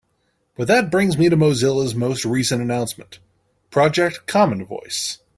But that brings me to Mozilla's more recent announcement: Project Common Voice.